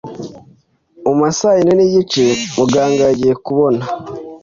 muma saayine nigice muganga yagiye kubona